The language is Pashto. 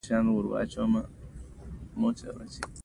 غول د هورمونونو بدلونه څرګندوي.